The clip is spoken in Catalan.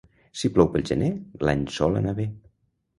Si plou pel gener, l'any sol anar bé.